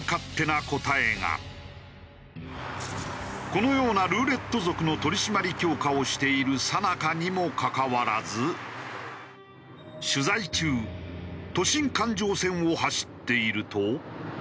このようなルーレット族の取り締まり強化をしているさなかにもかかわらず取材中都心環状線を走っていると。